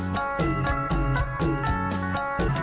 ว้าว